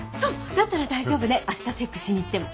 だったら大丈夫ねあしたチェックしに行っても。